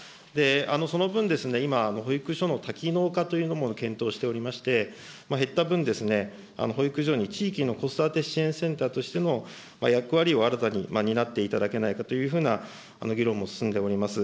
その分、今、保育所の多機能化というのも検討しておりまして、減った分、保育所に地域の子育て支援センターとしての役割を新たに担っていただけないかという議論も進んでおります。